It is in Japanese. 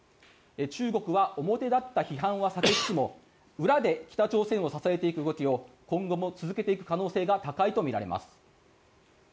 中国は表立った批判は避けつつも裏で北朝鮮を支えていく動きを今後も続けていく可能性が高いとみられます。